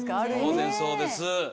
当然そうです。